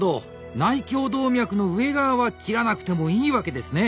内胸動脈の上側は切らなくてもいいわけですね。